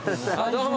どうも。